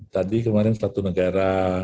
tadi kemarin satu negara